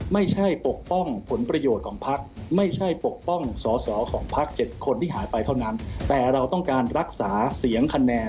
ไม่ใช่ปกป้องผลประโยชน์ของพลักษณ์